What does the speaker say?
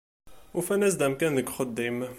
Ufan-as-d amkan n uxeddim.